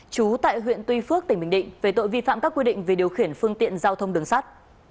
chú tại huyện tuy phước tỉnh bình định về tội vi phạm các quy định về điều khiển phương tiện giao thông đường sắt